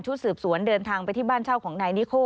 สืบสวนเดินทางไปที่บ้านเช่าของนายนิโค